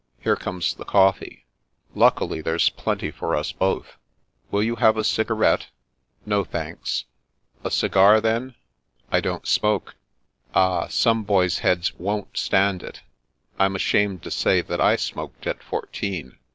Here comes the coflfee. Luckily, there's plenty for us both. Will you have a cigarette? "" No, thanks." "A cigar, then?" " I don't smoke." "Ah, some boys' heads won't stand it. I'm ashamed to say that I smoked at fourteen.